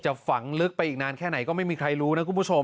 ฝังลึกไปอีกนานแค่ไหนก็ไม่มีใครรู้นะคุณผู้ชม